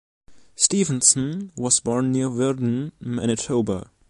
Stevenson was born near Virden, Manitoba.